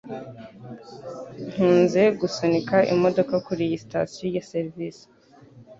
Nkunze gusunika imodoka kuriyi sitasiyo ya serivisi.